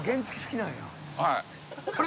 はい。